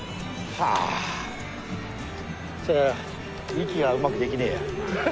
息がうまくできねえや。